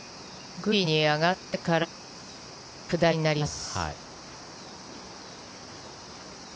グリーンに上がってからは下りになります。